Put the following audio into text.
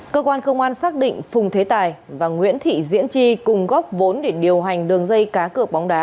cơ quan công an xác định phùng thế tài và nguyễn thị diễn tri cùng góc vốn để điều hành đường dây cá cược bóng đá